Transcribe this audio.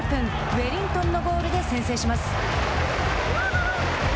ウェリントンのゴールで先制します。